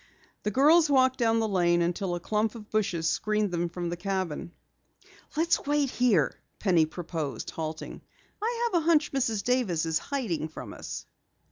The girls walked down the lane until a clump of bushes screened them from the cabin. "Let's wait here," Penny proposed, halting. "I have a hunch Mrs. Davis is hiding from us."